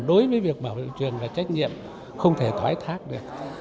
đối với việc bảo vệ trường là trách nhiệm không thể thoái thác được